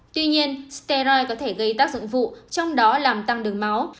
tuy nhiên stary có thể gây tác dụng vụ trong đó làm tăng đường máu